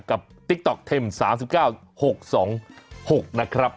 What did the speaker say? กับติ๊กต๊อกเทมสามสิบเก้าหกสองหกนะครับ